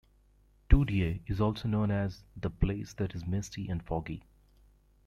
Toodyay is also known as "the place that is misty and foggy".